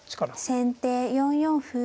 先手４四歩。